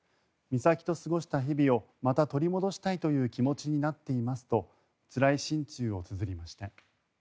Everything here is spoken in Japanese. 美咲と過ごした日々をまた取り戻したいという気持ちになっていますとつらい心中をつづりました。